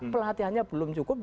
pelatihannya belum cukup